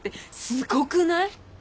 すごくない？